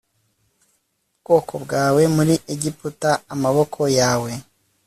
ubwoko bwawe muri Egiputa amaboko yawe